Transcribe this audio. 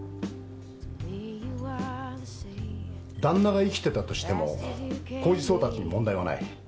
旦那が生きてたとしても公示送達に問題はない。